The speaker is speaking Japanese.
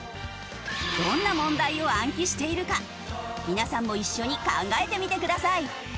どんな問題を暗記しているか皆さんも一緒に考えてみてください。